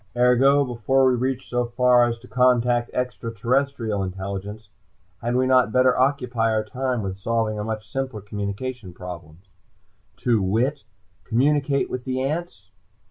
"Ergo: Before we reach so far as to contact extra terrestrial intelligence, had we not better occupy our time with solving a much simpler communications problem; to wit: communicate with the ants?